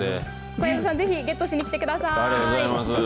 小籔さん、ぜひゲットしに来てください。